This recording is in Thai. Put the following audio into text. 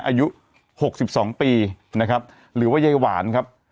อายุ๖๒ปีนะครับหรือว่ายายหวานครับ